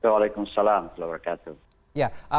waalaikumsalam selamat malam